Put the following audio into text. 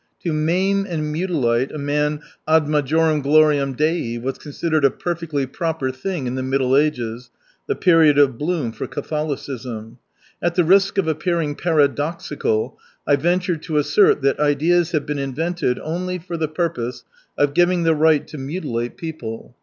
To maim and mutilate a man ad majorem gloriam Dei was considered a perfectly proper thing in the Middle Ages, the period of bloom for Catholicism. At the risk of appearing paradoxical, I venture to assert that ideas have been invented only for the purpose of giving the right to mutilate 205 people.